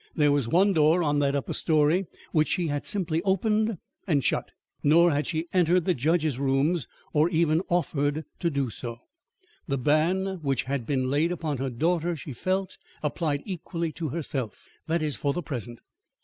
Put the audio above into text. There was one door on that upper story which she had simply opened and shut; nor had she entered the judge's rooms, or even offered to do so. The ban which had been laid upon her daughter she felt applied equally to herself; that is for the present.